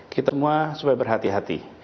kita semua supaya berhati hati